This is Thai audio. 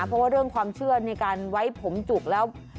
เพราะว่าเรื่องความเชื่อในการไว้ผมจุกแล้ว